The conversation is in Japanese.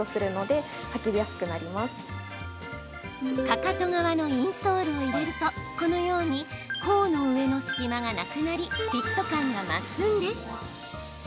かかと側のインソールを入れるとこのように甲の上の隙間がなくなりフィット感が増すんです。